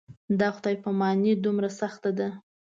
دا خدای پاماني دومره سخته ده.